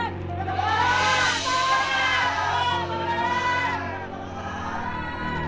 jangan lupa pak